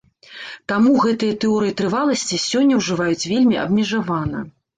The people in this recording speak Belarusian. Таму гэтыя тэорыі трываласці сёння ўжываюць вельмі абмежавана.